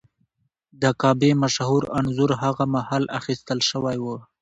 د کعبې مشهور انځور هغه مهال اخیستل شوی و.